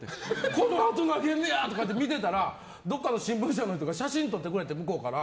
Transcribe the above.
このあと投げんねやって思って見てたらどこかの新聞社の人が写真撮ってくれて向こうから。